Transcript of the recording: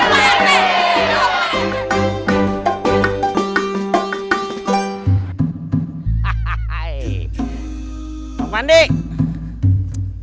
setuju pak rt